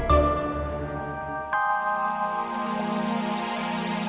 ketika akhirnya pelarian lo sudah berakhir